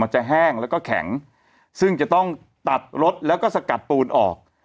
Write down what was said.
จะแห้งแล้วก็แข็งซึ่งจะต้องตัดรถแล้วก็สกัดปูนออก